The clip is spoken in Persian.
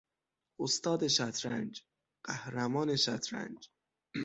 استاد شطرنج، قهرمان شطرنج